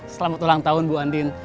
selamat ulang tahun bu andin